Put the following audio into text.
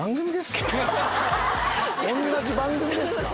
おんなじ番組ですか？